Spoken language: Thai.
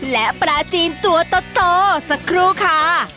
และปลาจีนตัวโตสักครู่ค่ะ